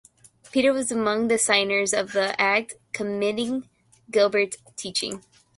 Peter was among the signers of the act condemning Gilbert's teachings.